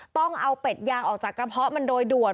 ต้องเอาเป็ดยางออกจากกระเพาะมันโดยด่วน